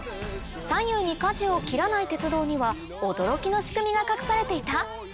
左右に舵を切らない鉄道には驚きの仕組みが隠されていた？